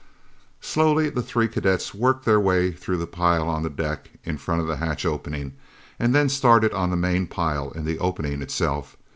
Slowly, the three cadets worked their way through the pile on the deck in front of the hatch opening and then started on the main pile in the opening itself.